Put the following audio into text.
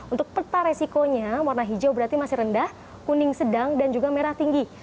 untuk peta resikonya warna hijau berarti masih rendah kuning sedang dan juga merah tinggi